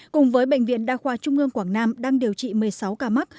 cùng với bệnh viện đa khoa trung ương quảng nam đang điều trị một mươi sáu ca mắc